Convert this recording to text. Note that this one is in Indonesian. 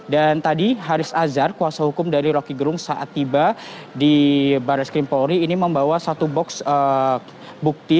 dan tadi haris azhar kuasa hukum dari roky gerung saat tiba di barres vimpori ini membawa satu box bukti